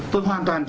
tôi hoàn toàn